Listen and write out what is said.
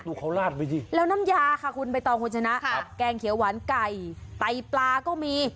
ดูเขาลาดไปสิแล้วน้ำยาค่ะคุณใบตองคุณชนะแกงเขียวหวานไก่ไตปลาก็มี